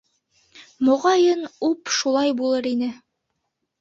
Моғайын, уп шулай булыр ине.